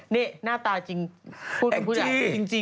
นี่หน้าตาจริงคุณแม่พูดอย่างจริง